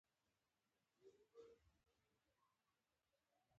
تحقیق ورباندې په کار دی.